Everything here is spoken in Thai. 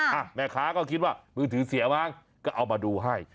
อ่ะแม่ค้าก็คิดว่ามือถือเสียมั้งก็เอามาดูให้